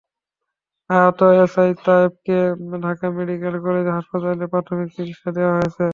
আহত এএসআই তায়েবকে Dhaka medical college হাসপাতালে প্রাথমিক চিকিত্সা দেওয়া হয়েছে।